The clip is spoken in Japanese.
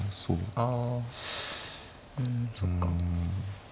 あうんそっか。